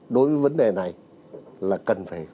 đối với vấn đề này là cần phải